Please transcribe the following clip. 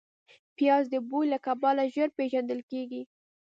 پیاز د بوی له کبله ژر پېژندل کېږي